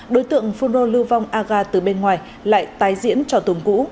đối tượng phu nô lưu vong aga từ bên ngoài lại tái diễn trò tùm cũ